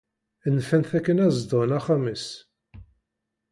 Nfan-t akken ad zedɣen axxam-is.